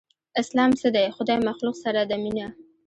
اسلام څه دی؟ خدای مخلوق سره ده مينه